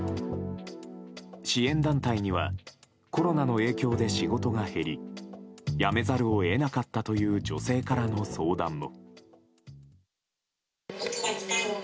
支援団体にはコロナの影響で仕事が減り辞めざるを得なかったという女性からの相談も。